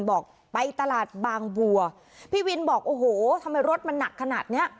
บอกไปตลาดบางบัวพี่วินบอกโอ้โหทำไมรถมันหนักขนาดเนี้ย